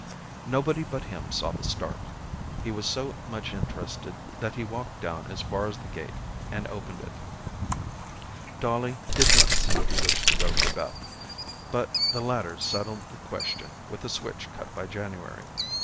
Nobody but him saw the start. He was so much interested that he walked down as far as the gate and opened it. Dollie did not seem to wish to go for Beth, but the latter settled the question with a switch cut by January.